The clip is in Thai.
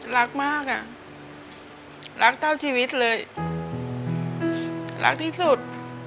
รักมากอ่ะรักเท่าชีวิตเลยรักที่สุด